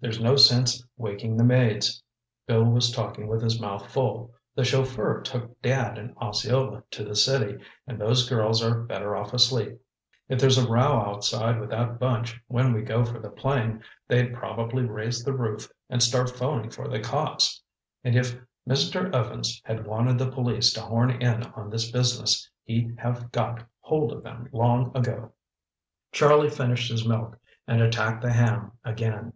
"There's no sense waking the maids," Bill was talking with his mouth full, "the chauffeur took Dad and Osceola to the city, and those girls are better off asleep. If there's a row outside with that bunch when we go for the plane, they'd probably raise the roof and start phoning for the cops. And if Mr. Evans had wanted the police to horn in on this business, he'd have got hold of them long ago." Charlie finished his milk and attacked the ham again.